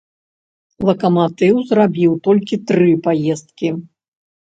Лакаматыў зрабіў толькі тры паездкі.